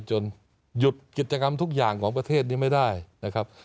หยุดกิจกรรมทุกอย่างของประเทศนี้ไม่ได้นะครับ